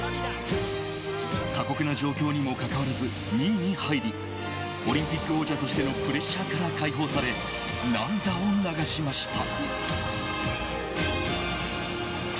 過酷な状況にもかかわらず２位に入りオリンピック王者としてのプレッシャーから解放され涙を流しました。